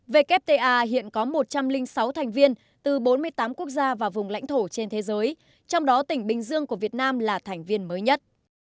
wta hiện có một trăm linh sáu thành viên từ bốn mươi tám quốc gia và vùng lãnh thổ trên thế giới trong đó tỉnh bình dương của việt nam là thành viên mới nhất